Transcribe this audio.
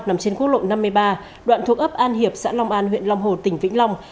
nằm trên quốc lộ năm mươi ba đoạn thuộc ấp an hiệp xã long an huyện long hồ tỉnh vĩnh long